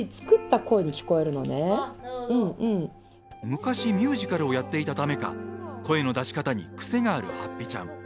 昔ミュージカルをやっていたためか声の出し方に癖があるはっぴちゃん。。